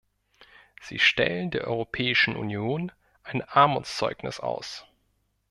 Sie stellen der Europäischen Union ein Armutszeugnis aus.